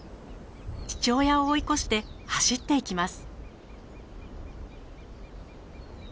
父親を追い越して走っていきます。